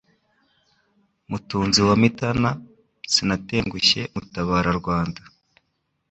Mutunzi wa Mitana Sinatengushye mutabara-Rwanda